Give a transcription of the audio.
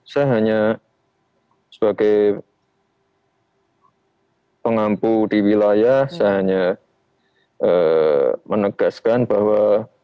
saya hanya sebagai pengampu di wilayah saya hanya menegaskan bahwa